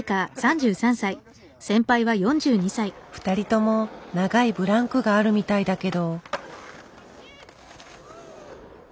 ２人とも長いブランクがあるみたいだけど。